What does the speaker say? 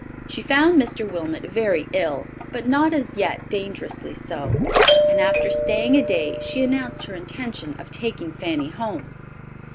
She found Mr. Wilmot very ill, but not as yet dangerously so, and after staying a day, she announced her intention of taking Fanny home.